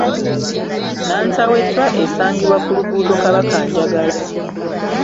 Nantawetwa esangibwa ku luguudo Kabakanjagala.